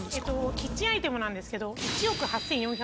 キッチンアイテムなんですけど１億８，４００万円。